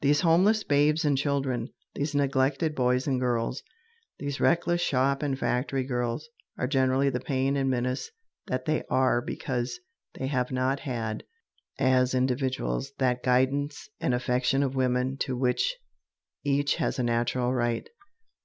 These homeless babes and children, these neglected boys and girls, these reckless shop and factory girls, are generally the pain and menace that they are because they have not had, as individuals, that guidance and affection of women to which each has a natural right.